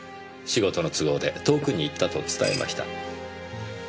仕事の都合で遠くに行ったと伝えました。